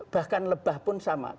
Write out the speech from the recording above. bahkan lebah pun sama